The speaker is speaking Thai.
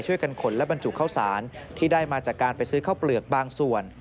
ขนและบรรจุข้าวสารที่ได้มาจากการไปซื้อข้าวเปลือกบางส่วน